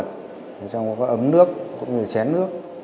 trong đó có ấm nước cũng có chén nước